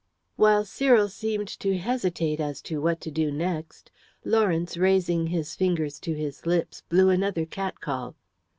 While Cyril seemed to hesitate as to what to do next, Lawrence, raising his fingers to his lips, blew another cat call.